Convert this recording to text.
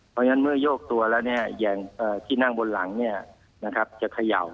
เพราะฉะนั้นเมื่อโยกตัวแล้วอย่างที่นั่งบนหลังจะเขย่า